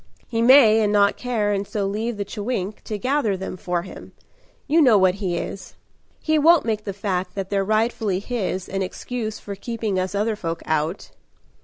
"He may and not care and so leave the chewink To gather them for him you know what he is. He won't make the fact that they're rightfully his An excuse for keeping us other folk out."